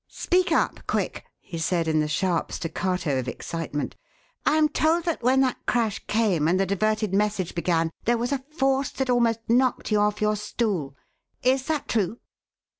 "Speak up quick!" he said in the sharp staccato of excitement. "I am told that when that crash came and the diverted message began there was a force that almost knocked you off your stool. Is that true?"